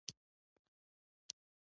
دا ژور احساسات دي.